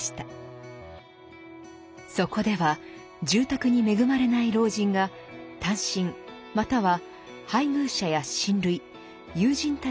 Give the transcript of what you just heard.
そこでは住宅に恵まれない老人が単身または配偶者や親類友人たちと同居。